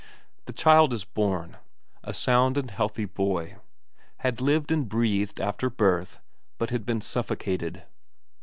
The child is born a sound and healthy boy; had lived and breathed after birth, but had been suffocated.